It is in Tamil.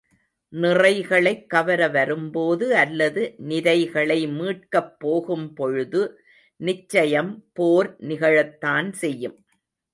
நிறைகளைக் கவர வரும்போது அல்லது நிரைகளை மீட்கப் போகும்பொழுது நிச்சயம் போர் நிகழத்தான் செய்யும்.